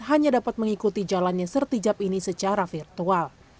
hanya dapat mengikuti jalannya sertijab ini secara virtual